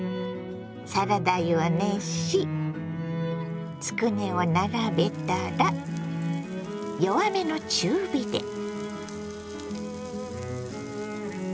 サラダ油を熱しつくねを並べたら弱めの中火で。